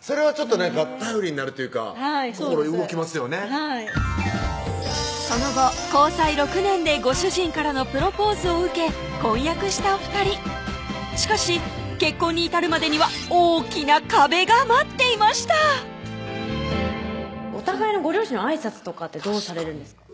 それはちょっとなんか頼りになるというか心動きますよねはいその後交際６年でご主人からのプロポーズを受け婚約したお２人しかし結婚に至るまでには大きな壁が待っていましたお互いのご両親のあいさつってどうされるんですか？